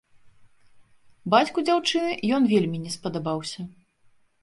Бацьку дзяўчыны ён вельмі не спадабаўся.